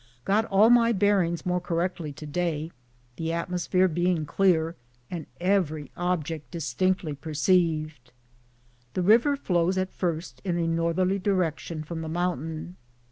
Got all my bearings more correctly to day, the atmosphere being clear and every object distinctly perceived. The river flows at first in a northerly direction from the mountain.